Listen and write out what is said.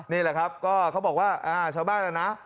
นี่แหละครับก็เขาบอกว่าชาวบ้านนะ